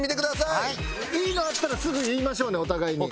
いいのあったらすぐ言いましょうねお互いに。